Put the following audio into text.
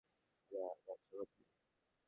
আরে, যাচ্ছো কোথায়?